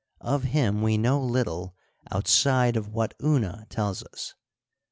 Of him we know little outside of what Una tells us.